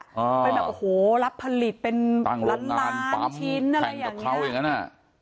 เป็นแบบโหรับผลิตเป็นล้านล้านชิ้นอะไรอย่างนี้